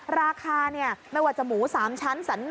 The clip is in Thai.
ราคาไม่ว่าจะหมู๓ชั้น๑